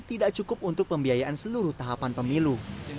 tidak cukup untuk pembiayaan seluruh tahapan pemilu